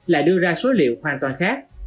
lại đưa ra số liệu hoàn toàn khác